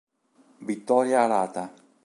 Vittoria alata